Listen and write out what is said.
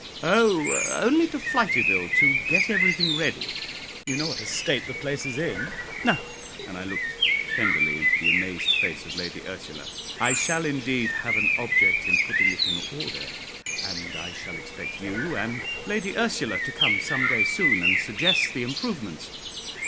"Oh, only to Flityville to get everything ready; you know what a state the place is in. Now," and I looked tenderly into the amazed face of Lady Ursula, "I shall indeed have an object in putting it in order, and I shall expect you and Lady Ursula to come some day soon and suggest the improvements.